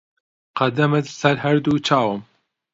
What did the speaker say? قەدەمت سەر هەر دوو چاوم